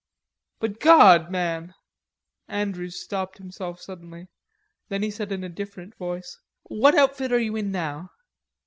"But God; man!" Andrews stopped himself suddenly. Then he said in a different voice, "What outfit are you in now?"